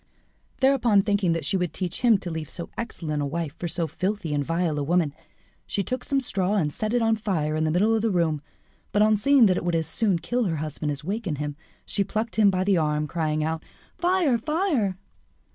Thereupon, thinking she would teach him to leave so excellent a wife for so filthy and vile a woman, she took some straw and set it on fire in the middle of the room; but on seeing that it would as soon kill her husband as awaken him, she plucked him by the arm, crying out "Fire! fire!"